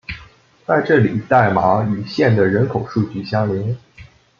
在这里代码与县的人口数据相连。